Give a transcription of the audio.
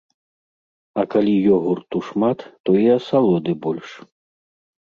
А калі ёгурту шмат, то і асалоды больш.